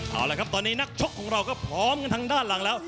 เอาละครับตอนนี้นักชกของเราก็พร้อมกันทางด้านหลังแล้ว